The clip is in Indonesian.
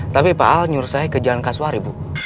tapi pak al nyur saya ke jalan kasuari bu